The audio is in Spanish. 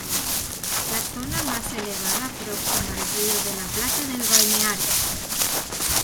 La zona más elevada próxima al Río de la Plata del balneario.